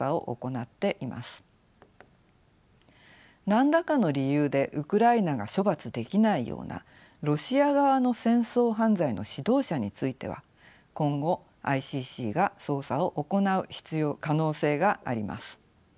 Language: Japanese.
何らかの理由でウクライナが処罰できないようなロシア側の戦争犯罪の指導者については今後ＩＣＣが捜査を行う可能性があります。